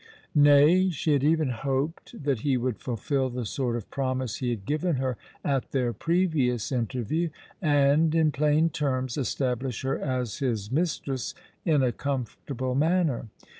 Nay—she had even hoped that he would fulfil the sort of promise he had given her at their previous interview, and, in plain terms, establish her as his mistress in a comfortable manner.